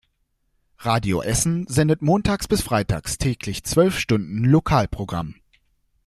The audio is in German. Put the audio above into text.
Radio Essen sendet montags bis freitags täglich zwölf Stunden Lokalprogramm.